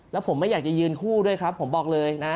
แล้วผมไม่อยากจะยืนคู่ด้วยครับผมบอกเลยนะ